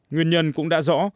nguyên nhân cũng đã rõ